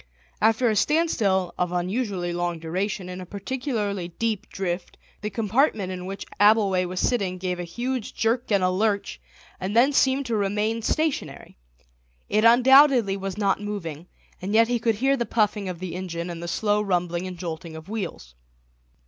After a standstill of unusually long duration in a particularly deep drift the compartment in which Abbleway was sitting gave a huge jerk and a lurch, and then seemed to remain stationary; it undoubtedly was not moving, and yet he could hear the puffing of the engine and the slow rumbling and jolting of wheels.